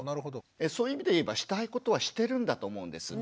そういう意味で言えばしたいことはしてるんだと思うんです。